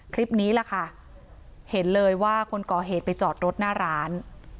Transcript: คลิปนี้แหละค่ะเห็นเลยว่าคนก่อเหตุไปจอดรถหน้าร้าน